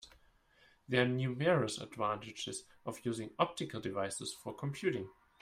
There are numerous advantages of using optical devices for computing.